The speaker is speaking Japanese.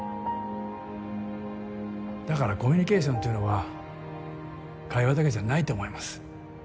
だからコミュニケーションというのは会話だけじゃないと思います。